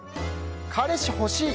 彼氏欲しい！